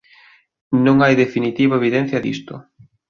Non hai definitiva evidencia disto.